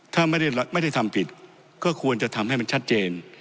ถ้าไม่ได้ทำผิดก็ควรจะทำให้มันชัดเจน